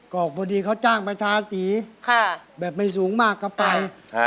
ก็พอดีเขาจ้างประชาสีแบบไม่สูงมากก็ไป